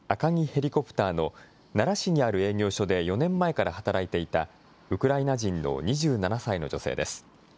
ヘリコプターの奈良市にある営業所で４年前から働いていた、ウクライナ人の２７歳の女性です。